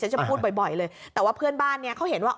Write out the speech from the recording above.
จะพูดบ่อยเลยแต่ว่าเพื่อนบ้านเนี่ยเขาเห็นว่า